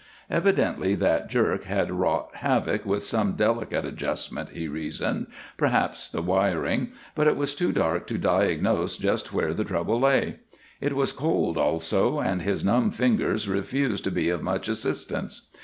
Evidently that jerk had wrought havoc with some delicate adjustment, he reasoned, perhaps the wiring, but it was too dark to diagnose just where the trouble lay. It was cold, also, and his numb fingers refused to be of much assistance.